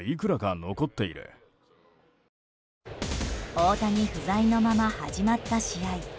大谷不在のまま始まった試合。